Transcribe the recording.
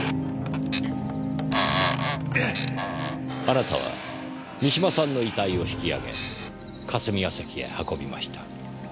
あなたは三島さんの遺体を引き上げ霞ヶ関へ運びました。